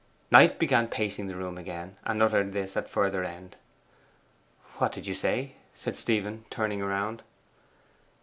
Knight began pacing the room again, and uttered this at further end. 'What did you say?' said Stephen, turning round.